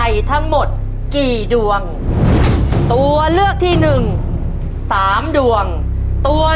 ขอบคุณค่ะ